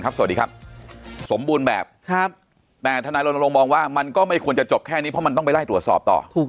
คอบคุณทั้งสองท่านนะครับ